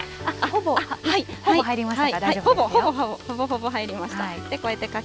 ほぼ入りましたか？